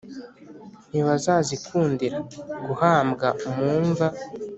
ntibazazikundira guhambwa mu mva.